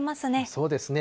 そうですね。